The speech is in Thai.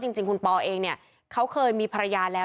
จริงคุณปอเนี่ยเค้าเคยมีประหราญแล้ว